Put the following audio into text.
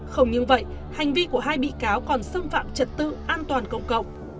không những vậy hành vi của hai bị cáo còn xâm phạm trật tự an toàn cộng cộng